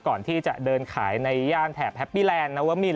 ก่อนที่จะเดินขายในย่านแถบแฮปปี้แลนดนัวมิน